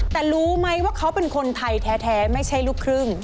แต่รู้ไหมว่าเขาเป็นคนไทยแท้ไม่ใช่ลูกครึ่ง